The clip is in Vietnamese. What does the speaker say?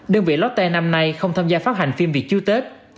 đơn vị lotte năm nay không tham gia phát hành phim việt chú tết